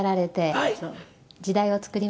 はい。